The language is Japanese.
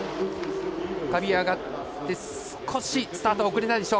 浮かび上がって少しスタートが遅れたでしょうか。